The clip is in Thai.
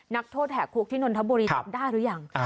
นักโทษแห่คุกที่นนทบุรีจำได้หรือยัง